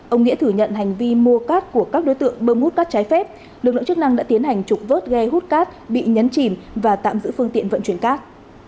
ông nghĩa thừa nhận hành vi mua cát của các đối tượng bơm hút cát trái phép lực lượng chức năng đã tiến hành trục vớt ghe hút cát bị nhấn chìm và tạm giữ phương tiện vận chuyển cát